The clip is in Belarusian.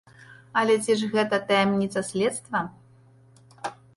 Але ж ці гэта таямніца следства?